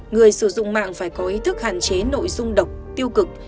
người sử dụng mạng phải có ý thức hạn chế nội dung độc tiêu cực